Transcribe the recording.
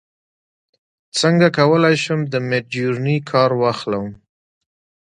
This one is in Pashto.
څنګه کولی شم د میډجورني کار واخلم